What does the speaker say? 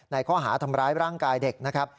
ข้อหาทำร้ายร่างกายเด็กนะครับ